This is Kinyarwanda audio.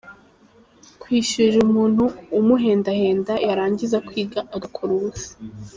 Kwishyurira umuntu umuhendahenda, yarangiza kwiga agakora ubusa.